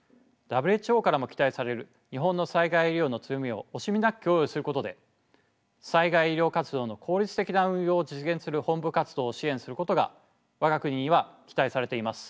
ＷＨＯからも期待される日本の災害医療の強みを惜しみなく供与することで災害医療活動の効率的な運用を実現する本部活動を支援することが我が国には期待されています。